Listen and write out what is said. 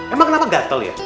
emang kenapa gatel ya